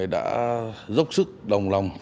đã dốc sức đồng lòng